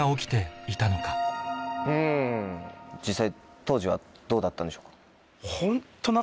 一体実際当時はどうだったんでしょうか？